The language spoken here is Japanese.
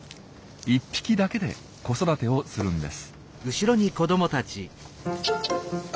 １匹だけで子育てをするんです。